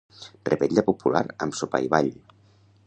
Revetlla popular amb sopar i ball.